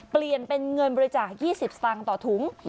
เปลี่ยนเป็นเงินบริจาค๒๐สตางค์ต่อถุง